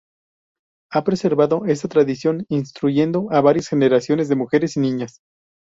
Ha preservado esta tradición instruyendo a varias generaciones de mujeres y niñas.